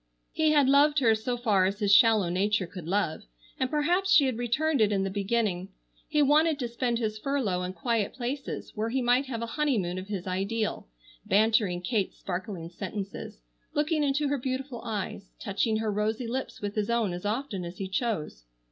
He had loved her so far as his shallow nature could love, and perhaps she had returned it in the beginning. He wanted to spend his furlough in quiet places where he might have a honeymoon of his ideal, bantering Kate's sparkling sentences, looking into her beautiful eyes, touching her rosy lips with his own as often as he chose.